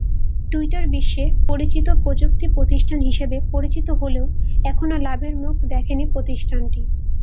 Twitter বিশ্বে পরিচিত প্রযুক্তিপ্রতিষ্ঠান হিসেবে পরিচিত হলেও এখনো লাভের মুখ দেখেনি প্রতিষ্ঠানটি।